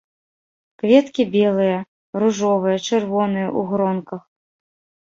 Кветкі белыя, ружовыя, чырвоныя ў гронках.